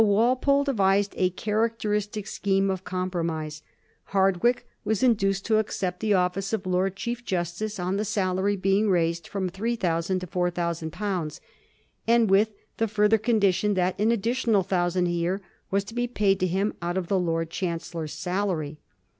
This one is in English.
So Wal pole devised a characteristic scheme of compromise. Hardwicke was induced to accept the office of Lord Chief justice on the salary being raised from £3000 to £4000, and with the further condition that an additional thou sand a year was to be paid to him out of the Lord Chan cellor's salary.